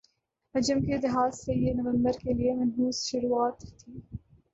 حجم کے لحاظ سے یہ نومبر کے لیے منحوس شروعات تھِی